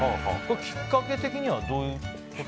きっかけ的にはどういうこと？